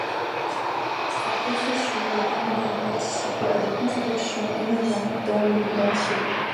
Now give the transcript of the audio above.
Sa profession l’a amené à participer à des constructions innovantes dans le monde entier.